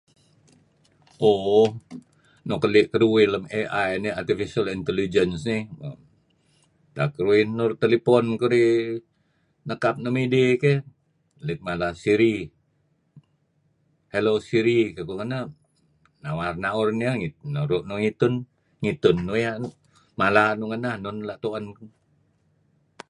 "[ohhh] Nuk keli' keduih lem AI nih Artificial Intelligence nih tak keduih nuru' telepon kudih nekap nuk midih keh ulit mala ""siri"" ""Hello siri"" kekuh ngenah nawar na'ur niyah naru' nuih itun ngitun nuih ngenah mala nuih ngenah nenun la' tu'en."